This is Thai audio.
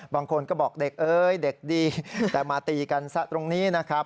บางคนก็บอกเด็กเอ้ยเด็กดีแต่มาตีกันซะตรงนี้นะครับ